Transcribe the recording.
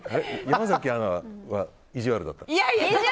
山崎アナは意地悪だった？